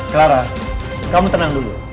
clara kamu tenang dulu